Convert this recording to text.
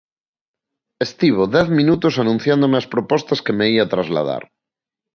Estivo dez minutos anunciándome as propostas que me ía trasladar.